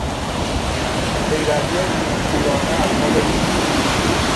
پیروی کورکورانه از مد روز